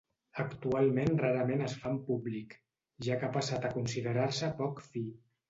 Actualment rarament es fa en públic, ja que ha passat a considerar-se poc fi.